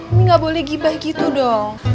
ini gak boleh gibah gitu dong